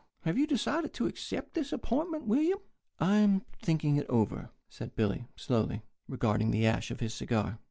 Have you decided to accept this appointment, William?" "I am thinking it over," said Billy, slowly, regarding the ash of his cigar.